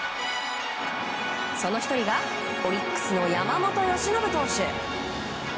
その１人がオリックスの山本由伸投手。